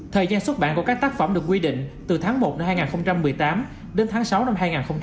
tuần lễ xuất bản của các tác phẩm được quy định từ tháng một năm hai nghìn một mươi tám đến tháng sáu năm hai nghìn hai mươi ba